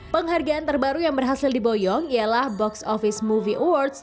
penghargaan terbaru yang berhasil diboyong ialah box office movie awards dua ribu delapan belas